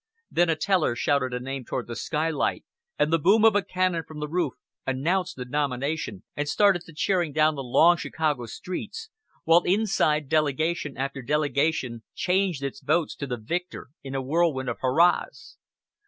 Then a teller shouted a name toward the skylight, and the boom of a cannon from the roof announced the nomination and started the cheering down the long Chicago streets; while inside delegation after delegation changed its votes to the victor in a whirlwind of hurrahs.